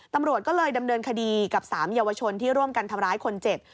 ตำรวจก็เลยดำเนินคดีกับ๓เยาวชนที่ร่วมกันทำร้ายคนเจ็บ